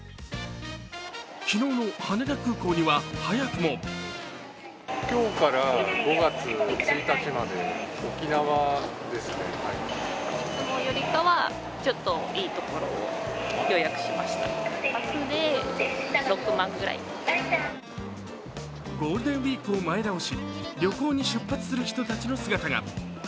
昨日の羽田空港には早くもゴールデンウイークを前倒し、旅行に出発する人たちの姿が。